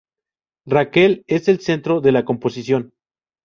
Raquel es el centro de la composición.